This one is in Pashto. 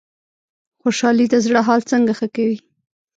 خوشحالي د زړه حال څنګه ښه کوي؟